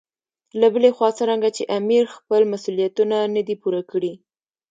له بلې خوا څرنګه چې امیر خپل مسولیتونه نه دي پوره کړي.